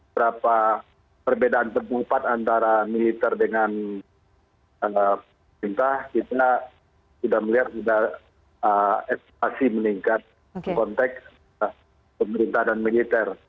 berapa perbedaan terbupat antara militer dengan militer kita sudah melihat sudah eksplasi meningkat konteks pemerintahan militer